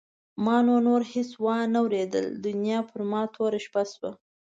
ما نو نور هېڅ وانه ورېدل دنیا پر ما توره شپه شوه.